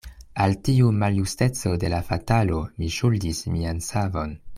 Al tiu maljusteco de la fatalo mi ŝuldis mian savon.